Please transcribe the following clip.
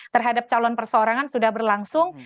terhadap calon perseorangan sudah berlangsung